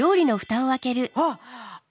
あっ！